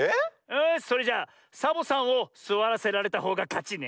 よしそれじゃサボさんをすわらせられたほうがかちね。